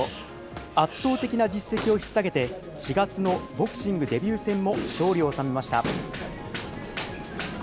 圧倒的な実績をひっ提げて、４月のボクシングデビュー戦も勝利を収めました。